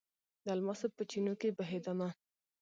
د الماسو په چېنو کې بهیدمه